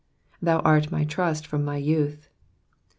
''^Thou art my trust from my youth.''